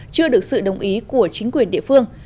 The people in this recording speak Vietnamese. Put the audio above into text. chưa được sự đồng ý của chính quyền địa phương